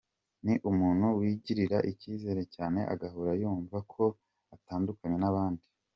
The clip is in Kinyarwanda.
Ni umuntu wigirira icyizere cyane agahora yumva ko atandukanye n’abandi.